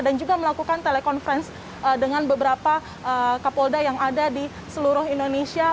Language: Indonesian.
dan juga melakukan telekonferensi dengan beberapa kapolda yang ada di seluruh indonesia